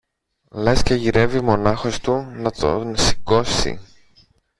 Λες και γυρεύει μονάχος του να τον σηκώσει.